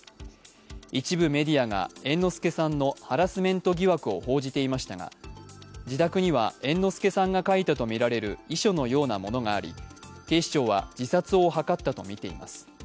一部メディアが猿之助さんのハラスメント疑惑を報じていましたが、自宅には猿之助さんが書いたとみられる遺書のようなものがあり、警視庁は自殺を図ったとみています。